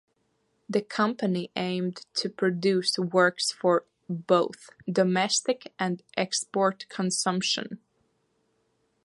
The company aimed to produce works for both domestic and export consumption.